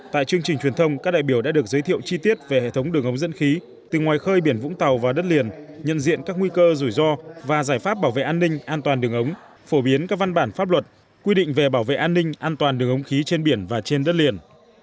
tại chương trình truyền thông các đại biểu đã được giới thiệu chi tiết về hệ thống đường ống dẫn khí từ ngoài khơi biển vũng tàu và đất liền nhận diện các nguy cơ rủi ro và giải pháp bảo vệ an ninh an toàn đường ống phổ biến các văn bản pháp luật quy định về bảo vệ an ninh an toàn đường ống khí trên biển và trên đất liền